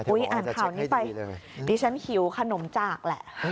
อ่านข่าวนี้ไปดิฉันหิวขนมจากแหละ